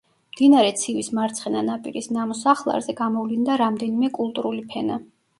მდინარე ცივის მარცხენა ნაპირის ნამოსახლარზე გამოვლინდა რამდენიმე კულტურული ფენა.